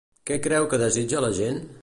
Què creu que desitja la gent?